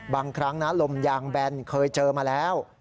บางครั้งนะลมยางแบนเคยเจอมาแล้ว